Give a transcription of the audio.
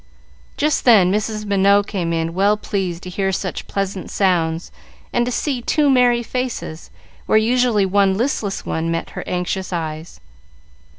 Just then Mrs. Minot came in, well pleased to hear such pleasant sounds, and to see two merry faces, where usually one listless one met her anxious eyes.